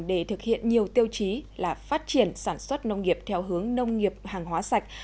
để thực hiện nhiều tiêu chí là phát triển sản xuất nông nghiệp theo hướng nông nghiệp hàng hóa sạch